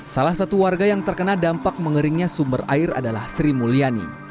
salah satu warga yang terkena dampak mengeringnya sumber air adalah sri mulyani